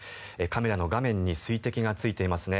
カメラの画面に水滴がついていますね。